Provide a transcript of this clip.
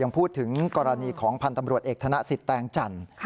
พูดถึงกรณีของพันธ์ตำรวจเอกธนสิทธิแตงจันทร์